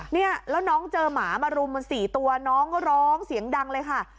เนี่ยแล้วน้องเจอหมามารุมมัน๔ตัวน้องก็ร้องเสียงดังเลยค่ะ